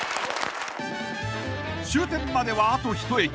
［終点まではあと１駅］